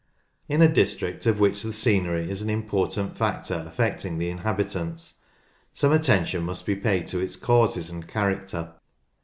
In a district of which the scenery is an important factor affecting the inhabitants, some attention must be paid to its causes and character.